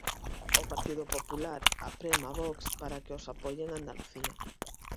O Partido Popular aprema a Vox para que os apoie en Andalucía.